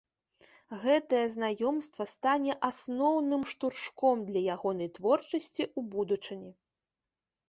Гэтае знаёмства стане асноўным штуршком для ягонай творчасці ў будучыні.